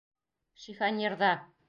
Шифоньерҙа.